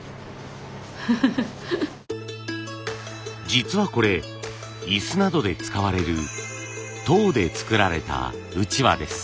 実はこれ椅子などで使われる籐で作られたうちわです。